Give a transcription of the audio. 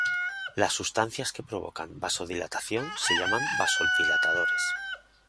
Las sustancias que provocan vasodilatación se llaman vasodilatadores.